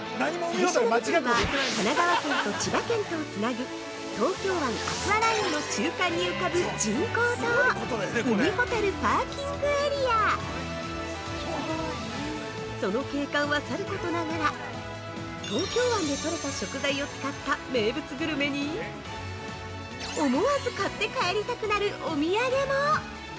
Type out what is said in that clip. ◆最初の舞台は神奈川県と千葉県とをつなぐ「東京湾アクアライン」の中間に浮かぶ人工島「海ほたるパーキングエリア」その景観はさることながら東京湾で獲れた食材を使った名物グルメに思わず買って帰りたくなるお土産も！